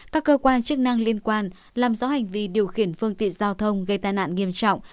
các cơ quan chức năng liên quan làm rõ hành vi điều khiển phương tiện giao thông gây tai nạn nghiêm trọng